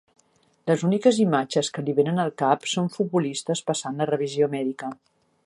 Les úniques imatges que li venen al cap són futbolistes passant la revisió mèdica.